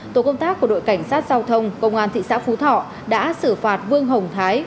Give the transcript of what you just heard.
tổ công tác của đội cảnh sát giao thông công an thị xã phú thọ đã xử phạt vương hồng thái